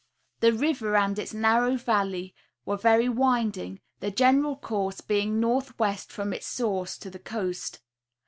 The river and its narrow valley were very winding, the general course being northwest from its source to the coast.